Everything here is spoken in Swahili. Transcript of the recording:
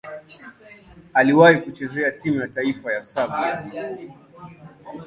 Aliwahi kucheza timu ya taifa ya Serbia.